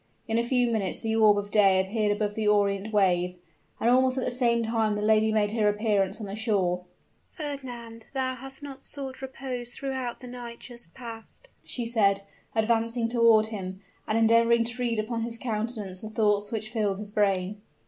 In a few minutes the orb of day appeared above the Orient wave and almost at the same time the lady made her appearance on the shore. "Fernand, thou hast not sought repose throughout the night just past!" she said, advancing toward him, and endeavoring to read upon his countenance the thoughts which filled his brain.